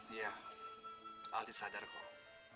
iya aldi sadar kok